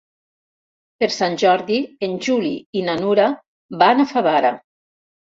Per Sant Jordi en Juli i na Nura van a Favara.